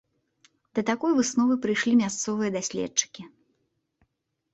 Да такой высновы прыйшлі мясцовыя даследчыкі.